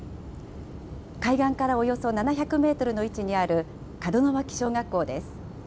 海岸からおよそ７００メートルの位置にある門脇小学校です。